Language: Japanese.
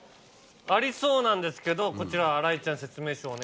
ありそうなんですけどこちら新井ちゃん説明書お願いします。